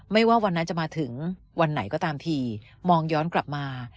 ว่าวันนั้นจะมาถึงวันไหนก็ตามทีมองย้อนกลับมา